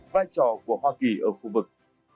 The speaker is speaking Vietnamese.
vai trò của hoa kỳ ở khu vực